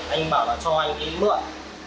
anh bảo là cho anh cái mượn